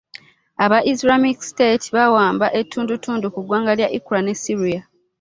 Aba Islamic State baawamba ettundutundu ku ggwanga lya Iraq ne Syria